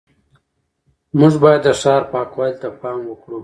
موږ باید د ښار پاکوالي ته پام وکړو